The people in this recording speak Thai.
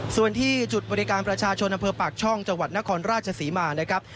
ส่วนที่จุดบริการประชาชนอำเภอปากช่องจังหวัดนครราชศรีมานะครับ